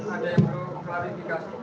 ada yang perlu klarifikasi